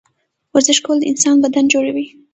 ورزش کول د انسان بدن جوړوي